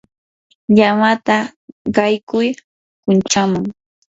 llamata qaykuy kunchaman.